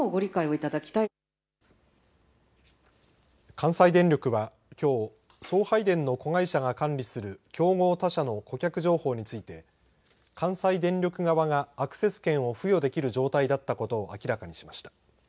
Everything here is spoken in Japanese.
関西電力は、きょう送配電の子会社が管理する競合他社の顧客情報について関西電力側がアクセス権を付与できる状態だったことを明らかにしました。